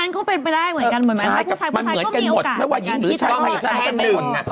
คือเรื่องที่มันเหนือนกันหมดยังก็เหมาะเนี่ย